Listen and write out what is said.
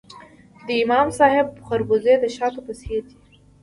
د امام صاحب خربوزې د شاتو په څیر دي.